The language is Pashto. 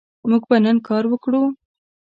موږ به نن کار وکړو